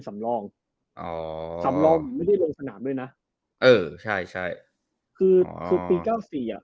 สำลองอ๋อสำลองเป็นโรงสนามด้วยนะเออใช่ใช่คือปี